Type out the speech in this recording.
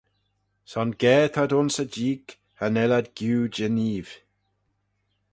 Son ga t'ad ayns y jeeig – cha nel ad giu jeneeve.